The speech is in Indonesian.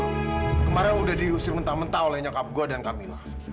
kemarin udah diusir mentah mentah oleh nyokap gue dan kamila